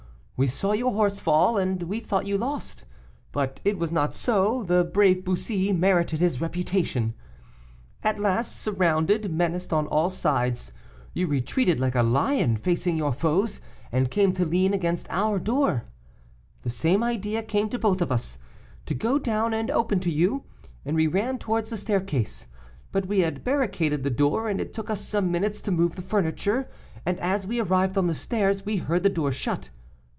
We saw your horse fall, and we thought you lost, but it was not so; the brave Bussy merited his reputation. At last, surrounded, menaced on all sides, you retreated like a lion, facing your foes, and came to lean against our door; the same idea came to both of us, to go down and open to you, and we ran towards the staircase; but we had barricaded the door, and it took us some minutes to move the furniture, and as we arrived on the stairs, we heard the door shut.